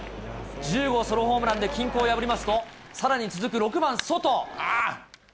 １０号ソロホームランで均衡を破りますと、さらに続く６番ソト。